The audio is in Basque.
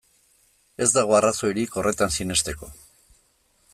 Ez dago arrazoirik horretan sinesteko.